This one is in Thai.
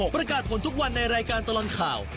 ประกาศผลทุกวันในรายการตลอดข่าว